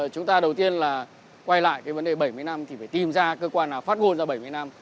chúng ta đầu tiên là quay lại cái vấn đề bảy mươi năm thì phải tìm ra cơ quan nào phát ngôn ra bảy mươi năm